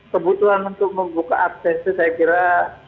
kebutuhan untuk membuka absensi saya kira